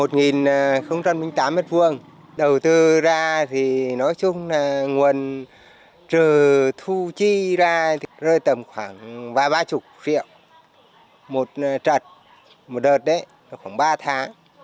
thầu tư ra thì nói chung là nguồn trừ thu chi ra thì rơi tầm khoảng ba mươi triệu một trật một đợt đấy khoảng ba tháng